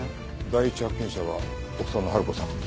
第一発見者は奥さんの春子さん。